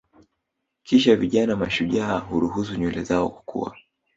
Kisha vijana mashujaa huruhusu nywele zao kukua